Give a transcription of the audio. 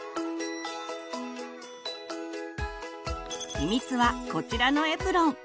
秘密はこちらのエプロン。